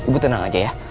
bu tenang aja ya